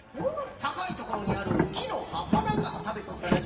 たかいところにあるきのはっぱなんかたべとったらしいぞ。